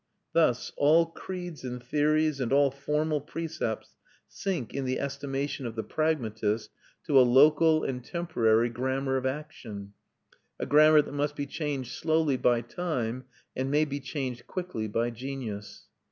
Thus all creeds and theories and all formal precepts sink in the estimation of the pragmatist to a local and temporary grammar of action; a grammar that must be changed slowly by time, and may be changed quickly by genius.